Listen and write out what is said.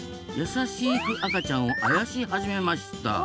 優しく赤ちゃんをあやし始めました。